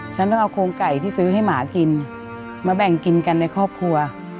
ฉันต้องเอาโครงไก่ที่ซื้อให้หมากินมาแบ่งกินกันในครอบครัว